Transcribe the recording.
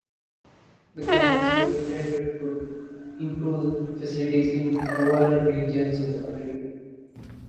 The grants were intended to improve facilities in poorer regions of the country.